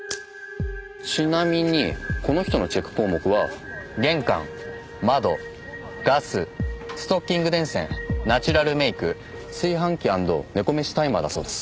ちなみにこの人のチェック項目は「玄関」「窓」「ガス」「ストッキング伝線」「ナチュラルメイク」「炊飯器＆猫飯タイマー」だそうです。